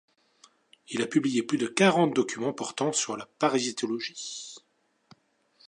Il a publié plus de quarante documents portant sur la parasitologie.